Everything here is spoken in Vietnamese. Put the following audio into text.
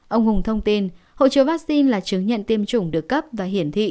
ông hùng thông tin hộ chiếu vaccine là chứng nhận tiêm chủng được cấp và hiển thị